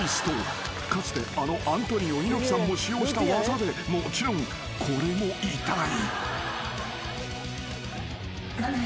［かつてあのアントニオ猪木さんも使用した技でもちろんこれも痛い］